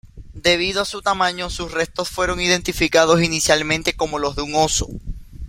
Debido a su tamaño, sus restos fueron identificados inicialmente como los de un oso.